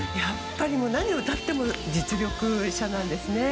何を歌っても実力者なんですね。